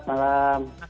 terima kasih mbak